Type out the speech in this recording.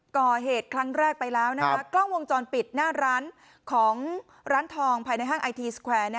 ก่อเหตุครั้งแรกไปแล้วกล้องวงจรปิดหน้าร้านของร้านทองภายในห้างไอทีสแควร์